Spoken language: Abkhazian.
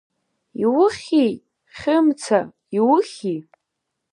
Иухьи, Хьымца, иухьи?